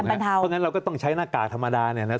เพราะฉะนั้นเราก็ต้องใช้หน้ากากธรรมดาเนี่ยนะ